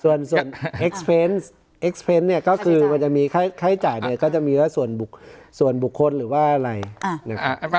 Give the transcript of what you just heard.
ส่วนเอ็กซ์เอ็กซ์เฟนต์เนี่ยก็คือมันจะมีค่าใช้จ่ายเนี่ยก็จะมีว่าส่วนบุคคลหรือว่าอะไรนะครับ